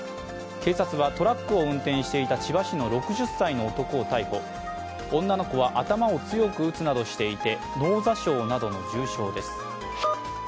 警察はトラックを運転していた千葉市の６０歳の男を逮捕女の子は頭を強く打つなどしていて脳挫傷などの重傷です。